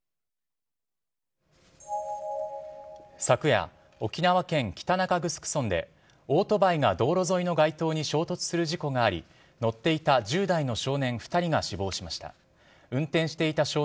昨夜、沖縄県北中城村で、オートバイが道路沿いの街灯に衝突する事故があり、乗っていた１０代の少年２人が死亡しました。